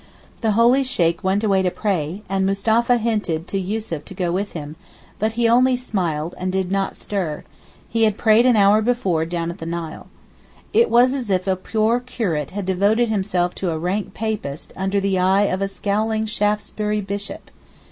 The holy Sheykh went away to pray, and Mustapha hinted to Yussuf to go with him, but he only smiled, and did not stir; he had prayed an hour before down at the Nile. It was as if a poor curate had devoted himself to a rank papist under the eye of a scowling Shaftesbury Bishop.